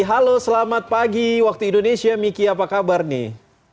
halo selamat pagi waktu indonesia miki apa kabar nih